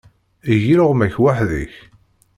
Eg iluɣma-k weḥd-k.